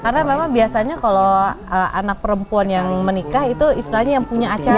karena memang biasanya kalau anak perempuan yang menikah itu istilahnya yang punya acara ya